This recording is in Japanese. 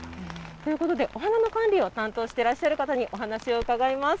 ということでお花の管理を担当してらっしゃる方にお話を伺います。